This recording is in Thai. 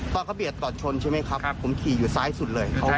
ตอนเขาเบียดก่อนชนใช่ไหมครับผมขี่อยู่ซ้ายสุดเลย